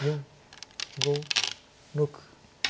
５６。